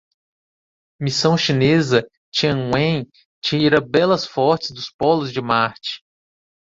Missão chinesa Tianwen tira belas fotos dos polos de Marte